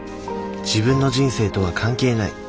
自分の人生とは関係ない。